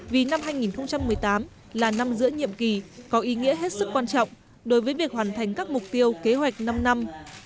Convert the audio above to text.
vì năm hai nghìn một mươi tám là năm giữa nhiệm kỳ có ý nghĩa hết sức quan trọng đối với việc hoàn thành các mục tiêu kế hoạch năm năm